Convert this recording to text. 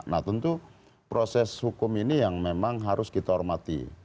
nah tentu proses hukum ini yang memang harus kita hormati